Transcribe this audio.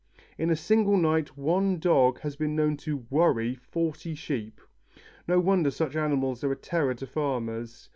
In a single night one dog has been known to "worry" forty sheep. No wonder such animals are a terror to farmers.